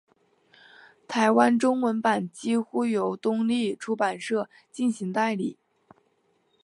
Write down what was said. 台湾中文版几乎由东立出版社进行代理。